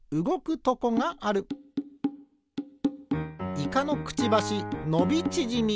イカのくちばしのびちぢみ。